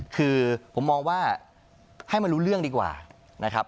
คือผมมองว่าให้มันรู้เรื่องดีกว่านะครับ